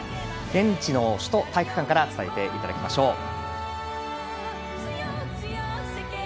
現地の首都体育館から伝えていただきましょう。